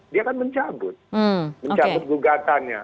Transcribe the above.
dia kan mencabut mencabut gugatannya